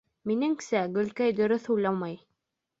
Минеңсә, Гөлкәй дөрөҫ уйламай.